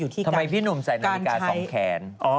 ทำไมพี่หนุ่มใส่นาฬิกา๒แขน